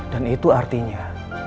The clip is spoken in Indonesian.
dan itu artinya